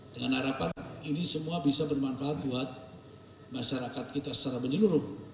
dengan harapan ini semua bisa bermanfaat buat masyarakat kita secara menyeluruh